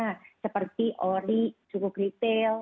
nah seperti ori cukup retail